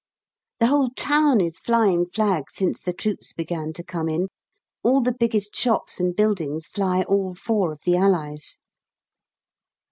The whole town is flying flags since the troops began to come in; all the biggest shops and buildings fly all four of the Allies.